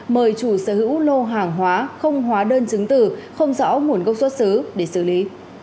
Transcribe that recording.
mời chủ sở hữu lô hàng hóa không hóa đơn chứng từ không rõ nguồn gốc xuất xứ để xử lý